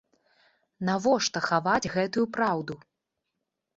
Навошта хаваць гэтую праўду?